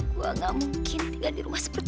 gua gak mungkin tinggal di rumah seperti ini